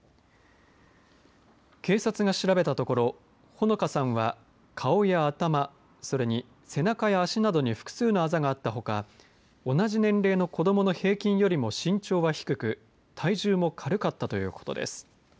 警察が調べたところほのかさんは顔や頭それに背中や足などに複数のあざがあったほか同じ年齢の子どもの平均よりも身長が低く体重も軽かったということです。